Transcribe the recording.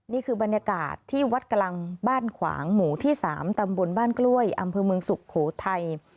นี่คือบรรยากาศที่วัดกำลังบ้านขวางหมู่ที่๓ตำบลบ้านกล้วยอำเภอเมืองสุโขทัย